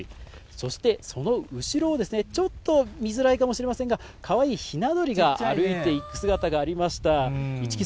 そして、その後ろをちょっと見づらいかもしれませんが、かわいいヒナ鳥が歩いていく姿がありました。